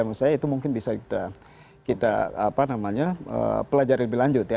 menurut saya itu mungkin bisa kita pelajari lebih lanjut ya